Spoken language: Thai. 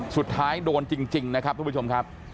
สุดท้ายโดนจริงนะครับทุกผู้ชมครับ